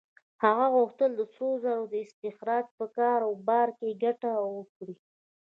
هغه غوښتل د سرو زرو د استخراج په کاروبار کې ګټه وکړي.